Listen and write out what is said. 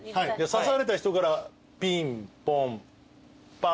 さされた人からピンポンパン。